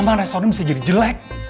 emang restoran bisa jadi jelek